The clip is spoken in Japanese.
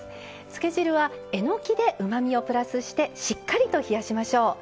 つけ汁はえのきでうまみをプラスしてしっかりと冷やしましょう。